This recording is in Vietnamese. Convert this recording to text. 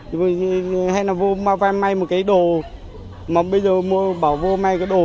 hay là vô vay may một cái đồ mà bây giờ bảo vô may cái đồ